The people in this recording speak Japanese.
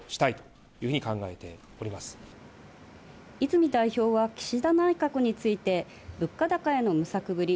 泉代表は岸田内閣について、物価高への無策ぶり。